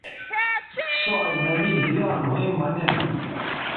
سو اجنبی حیریان َھویں مہ نِن